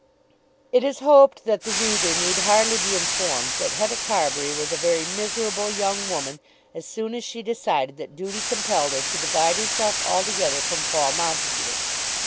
It is hoped that the reader need hardly be informed that Hetta Carbury was a very miserable young woman as soon as she decided that duty compelled her to divide herself altogether from Paul Montague.